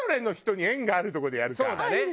そうだね。